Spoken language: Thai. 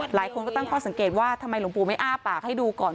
หลายคนก็ตั้งข้อสังเกตว่าทำไมหลวงปู่ไม่อ้าปากให้ดูก่อน